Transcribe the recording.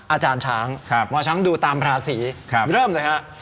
อาจารย์ช้างหมอช้างดูตามราศีเริ่มเลยฮะ